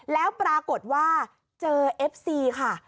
แล้วปรากฏว่าเจอเอฟซีค่ะ